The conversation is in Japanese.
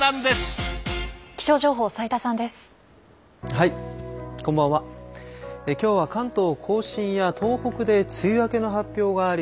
今日は関東甲信や東北で梅雨明けの発表があり。